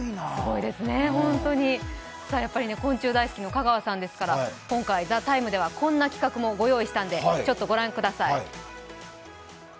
昆虫大好きの香川さんですから今回、「ＴＨＥＴＩＭＥ，」ではこんな企画も御用意しました。